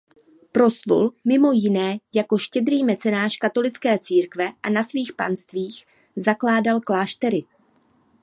Proslul mimo jiné jako štědrý mecenáš katolické církve a na svých panstvích zakládal kláštery.